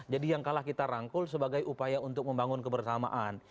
jadi yang kalah kita rangkul sebagai upaya untuk membangun kebersamaan